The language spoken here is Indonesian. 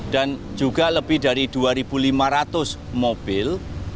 dan juga lebih dari dua lima ratus mobil